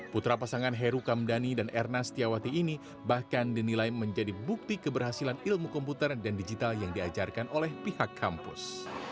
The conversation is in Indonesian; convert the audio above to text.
putra pasangan heru kamdhani dan erna setiawati ini bahkan dinilai menjadi bukti keberhasilan ilmu komputer dan digital yang diajarkan oleh pihak kampus